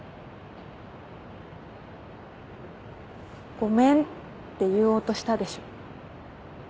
ごめんって言おうとしたでしょ。